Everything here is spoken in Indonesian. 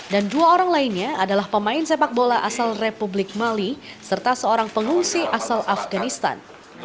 dan dua orang lainnya adalah pemain sepak bola asal republik mali serta seorang pengungsi asal afganistan